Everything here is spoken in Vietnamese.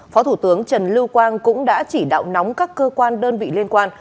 phó thủ tướng trần lưu quang cũng đã chỉ đạo nóng các cơ quan đơn vị liên quan